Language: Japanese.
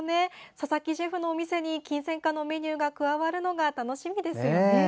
佐々木シェフのお店にキンセンカのメニューが加わるのが楽しみですね。